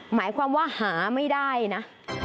หมายความว่าหาไม่ได้นะ